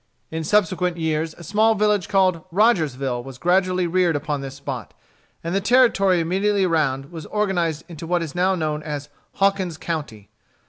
In subsequent years a small village called Rogersville was gradually reared upon this spot, and the territory immediately around was organized into what is now known as Hawkins County.